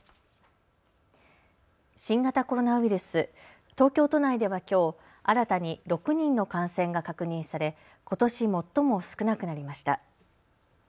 新型コロナウイルス、東京都内ではきょう新たに６人の感染が確認されことし最も少なくなりました。